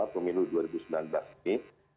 pemilu dua ribu sembilan belas ini